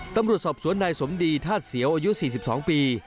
ตำรวจสอบสวนนายสมดีธาตุเสียวอายุ๔๒ปี